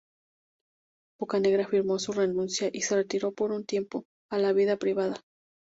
Bocanegra firmó su renuncia y se retiró por un tiempo, a la vida privada.